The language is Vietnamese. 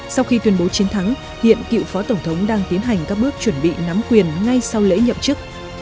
sau khi tuyên bố chiến thắng hiện cựu phó tổng thống đang tiến hành các bước chuẩn bị nắm quyền ngay sau lễ nhậm chức